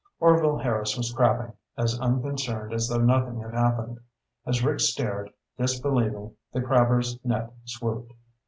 Orvil Harris was crabbing, as unconcerned as though nothing had happened. As Rick stared, disbelieving, the crabber's net swooped.